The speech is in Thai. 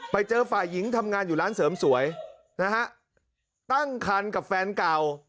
ไปเจอฝ่ายหญิงทำงานอยู่ร้านเสริมสวยนะฮะตั้งคันกับแฟนเก่า